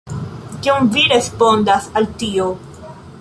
Kion vi respondas al tio?